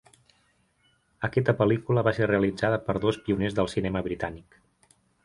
Aquesta pel·lícula va ser realitzada per dos pioners del cinema britànic.